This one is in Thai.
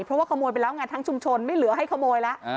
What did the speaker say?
เพราะว่าขโมยไปแล้วไงทั้งชุมชนไม่เหลือให้ขโมยแล้ว